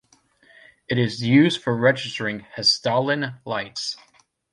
It is used for registering Hessdalen lights.